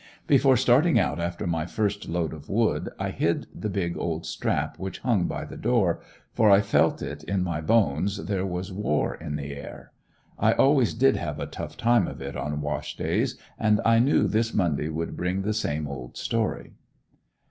Before starting out after my first load of wood, I hid the big old strap which hung by the door, for I felt it in my bones there was war in the air. I always did have a tough time of it on wash days, and I knew this Monday would bring the same old story.